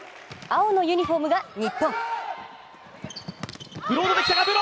青のユニフォームが日本。